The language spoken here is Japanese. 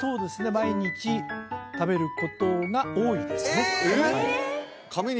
毎日食べることが多いですねえ！